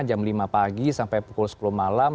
jam lima pagi sampai pukul sepuluh malam